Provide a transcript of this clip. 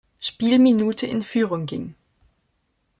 Spielminute in Führung ging.